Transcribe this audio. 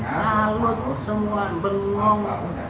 kalut semua bengong